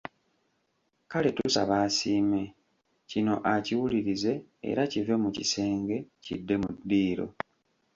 Kale tusaba asiime, kino akiwulirize era kive mu kisenge, kidde mu ddiiro.